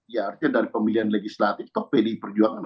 ya artinya dari pemilihan legislatif ke pdi perjuangan